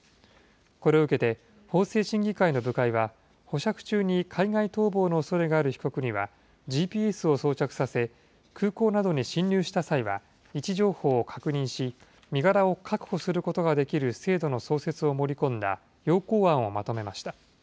これを受けて、法制審議会の部会は、保釈中に海外逃亡のおそれがある被告には、ＧＰＳを装着させ、空港などに侵入した際は、位置情報を確認し、身柄を確保することができる制度の創設を盛り込んだ要綱案をまとめました。